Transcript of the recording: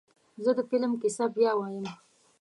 زه د فلم کیسه بیا وایم.